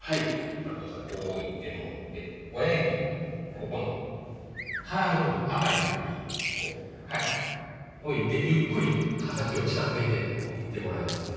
あるとしたらこう置いてもうて親指をここの腹の部分赤い部分に置いてゆっくり刃先を近づけていってもらえますか？